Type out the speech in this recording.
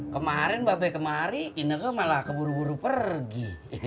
kemarin mbak be kemari ineke malah keburu buru pergi